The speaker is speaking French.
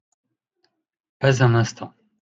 Pas un instant.